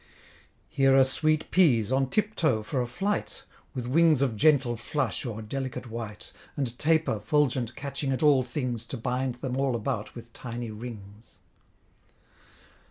Here are sweet peas, on tip toe for a flight: With wings of gentle flush o'er delicate white, And taper fulgent catching at all things, To bind them all about with tiny rings.